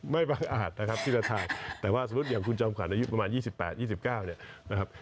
ไม่ภังอาจที่ละทางแต่ว่าสมมุติอย่างคุณจอมขวานประมาณ๒๘๒๙นะครับ